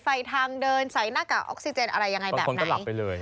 ทางเดินใส่หน้ากากออกซิเจนอะไรยังไงแบบไหน